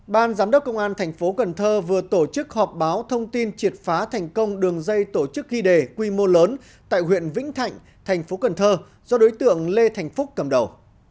ban giám đốc công an tp cn vừa tổ chức họp báo thông tin triệt phá thành công đường dây tổ chức ghi đề quy mô lớn tại huyện vĩnh thạnh tp cn do đối tượng lê thành phúc cầm đầu